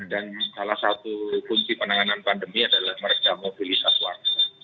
dan salah satu kunci penanganan pandemi adalah mereka mobilisasi luar